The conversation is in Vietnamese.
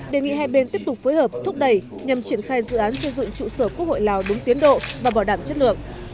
đề nghị hai bên tiếp tục phối hợp thúc đẩy nhằm triển khai dự án xây dựng trụ sở quốc hội lào đúng tiến độ và bảo đảm chất lượng